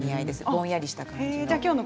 ぼんやりした感じの。